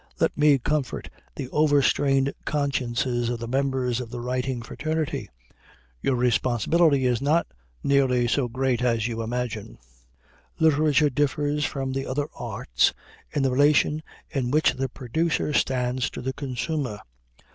Let me comfort the over strained consciences of the members of the writing fraternity. Your responsibility is not nearly so great as you imagine. Literature differs from the other arts in the relation in which the producer stands to the consumer.